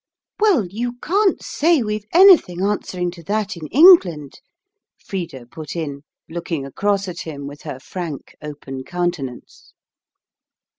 "Well, you can't say we've anything answering to that in England," Frida put in, looking across at him with her frank, open countenance.